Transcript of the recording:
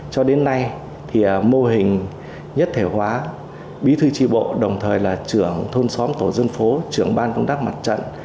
cho đến nay thì mô hình nhất thể hóa bí thư tri bộ đồng thời là trưởng thôn xóm tổ dân phố trưởng ban công tác mặt trận